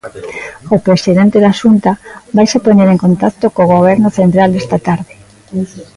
O presidente da Xunta vaise poñer en contacto co Goberno central esta tarde.